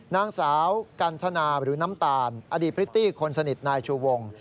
นางสาวกันทนาหรือน้ำตาลอดีตพริตตี้คนสนิทนายชูวง